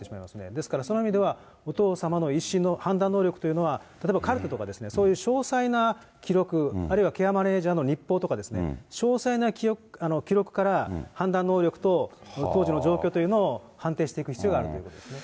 ですから、その意味では、お父様の意思の、判断能力というのは、例えばカルテとか、そういう詳細な記録、あるいはケアマネージャーの日報とか、詳細な記録から判断能力と当時の状況というのを判定していく必要があるということですね。